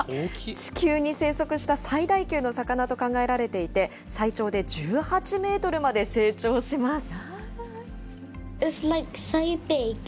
地球に生息した最大級の魚と考えられていて、最長で１８メートルまで成長します。